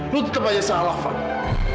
lo tetap hanya salah fadil